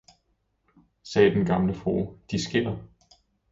sagde den gamle frue, de skinner!